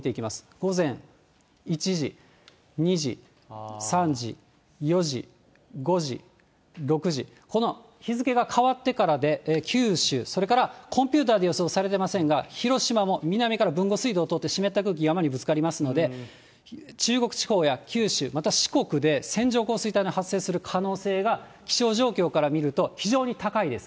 午前１時、２時、３時、４時、５時、６時、この日付が変わってからで九州、それからコンピューターで予想されてませんが、広島も南から豊後水道を通って湿った空気、山にぶつかりますので、中国地方や九州、また四国で線状降水帯の発生する可能性が、気象状況から見ると、非常に高いです。